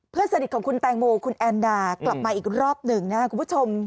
เพื่อนสนิทของคุณแตงโมคุณแอนดากลับมาอีกรอบหนึ่งนะครับคุณผู้ชม